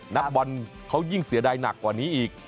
นักบอลเขายิ่งเสียดายหนักกว่านี้อีก